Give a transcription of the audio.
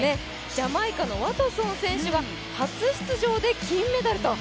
ジャマイカのワトソン選手が初出場で金メダルと。